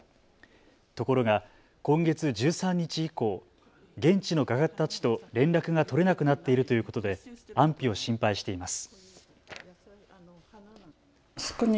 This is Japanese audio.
ところが今月１３日以降、現地の画家たちと連絡が取れなくなっているということで安否を心配しています。